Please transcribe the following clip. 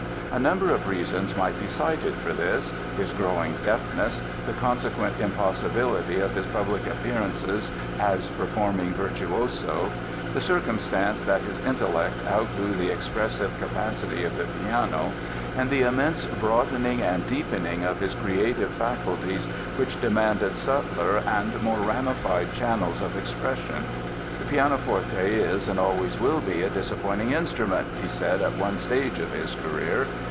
A number of reasons might be cited for this—his growing deafness, the consequent impossibility of his public appearances as performing virtuoso, the circumstance that his intellect outgrew the expressive capacity of the piano, and the immense broadening and deepening of his creative faculties which demanded subtler and more ramified channels of expression. "The pianoforte is and always will be a disappointing instrument," he said at one stage of his career.